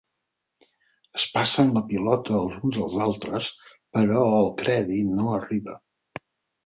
Es passen la pilota els uns als altres però el crèdit no arriba.